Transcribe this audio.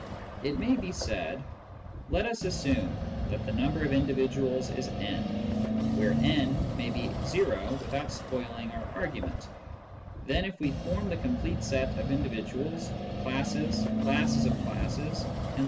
It may be said : Let us assume that the number of individuals is n, where n may be o without spoiling our argument ; then if we form the complete set of individuals, classes, classes of classes, etc.